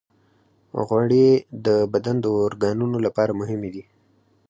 غوړې د بدن د اورګانونو لپاره مهمې دي.